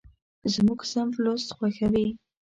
زموږ صنف لوست خوښوي.